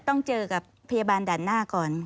ต้องเจอกับพยาบาลด่านหน้าก่อน